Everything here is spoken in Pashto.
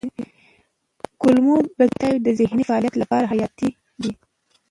کولمو بکتریاوې د ذهني فعالیت لپاره حیاتي دي.